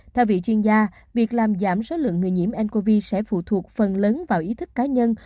theo vị chuyên gia việc làm giảm số lượng người nhiễm ncov sẽ phụ thuộc phần lớn vào ý thức cá nhân